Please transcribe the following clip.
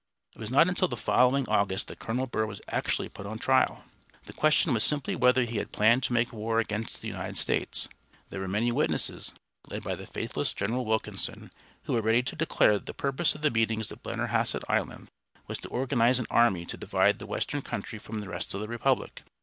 It was not until the following August that Colonel Burr was actually put on trial. The question was simply whether he had planned to make war against the United States. There were many witnesses, led by the faithless General Wilkinson, who were ready to declare that the purpose of the meetings at Blennerhassett Island was to organize an army to divide the western country from the rest of the republic.